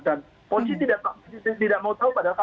dan posisi tidak mau tahu pada saat itu